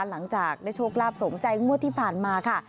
หลังจากได้โชคลาภสมใจงวดที่ผ่านมาค่ะ